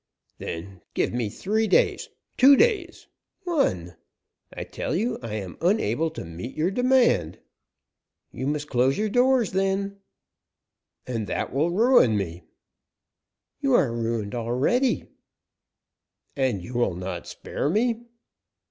"Then give me three days two days, one! I tell you I am unable to meet your demand." "You must close your doors, then." "And that will ruin me." "You are ruined already." "And you will not spare me?"